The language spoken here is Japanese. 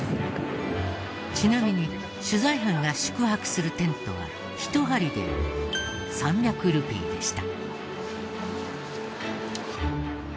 ちなみに取材班が宿泊するテントは１張りで３００ルピーでした。